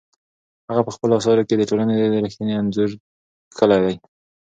هغه په خپلو اثارو کې د ټولنې رښتینی انځور کښلی دی.